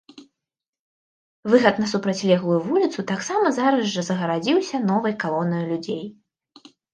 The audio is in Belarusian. Выхад на супрацьлеглую вуліцу таксама зараз жа загарадзіўся новай калонаю людзей.